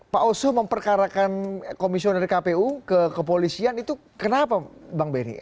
pak oso memperkarakan komisioner kpu ke kepolisian itu kenapa bang benny